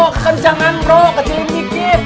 bro kekencangan bro kecilin dikit